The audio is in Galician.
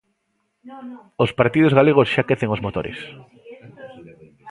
Os partidos galegos xa quecen os motores.